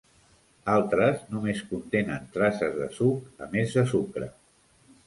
Altres només contenen traces de suc, a més de sucre.